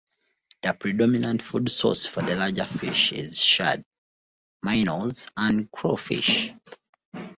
The predominant food source for the larger fish is Shad, Minnows, and Crawfish.